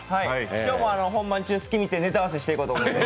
今日も本番中、隙を見てネタ合わせしていこうと思います。